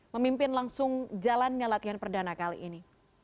memimpin langsung jalannya latihan perdana kali ini